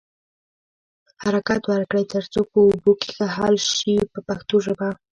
حرکت ورکړئ تر څو په اوبو کې ښه حل شي په پښتو ژبه.